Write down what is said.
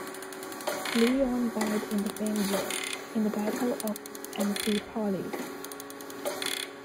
Cleon died in the same year, in the battle of Amphipolis.